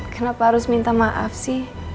kenapa harus minta maaf sih